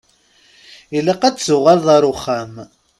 Ilaq ad tuɣaleḍ ar uxxam.